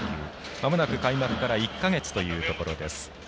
まもなく開幕から１か月というところです。